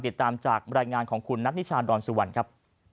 ติดตามจากรายงานของคุณนัทนิชาดอนสุวรรณครับ